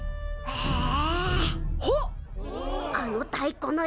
へえ。